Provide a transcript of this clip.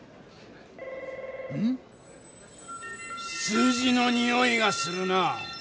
数字のにおいがするな。